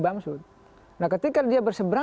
menegosi semalat talapa peyo